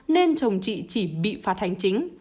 nên chồng chị chỉ bị phạt hành chính